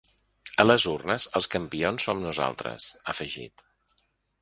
A les urnes els campions som nosaltres, ha afegit.